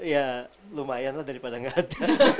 ya lumayan lah daripada nggak ada